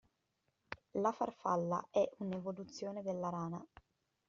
La farfalla è un'evoluzione della rana.